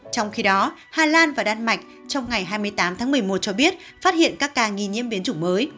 trong khi đó hà lan và đan mạch trong ngày hai mươi tám tháng một mươi một cho biết phát hiện các ca nghi nhiễm biến chủng mới